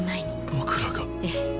僕らが？ええ。